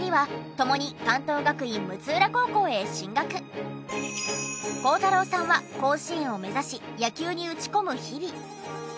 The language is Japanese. その後孝太郎さんは甲子園を目指し野球に打ち込む日々。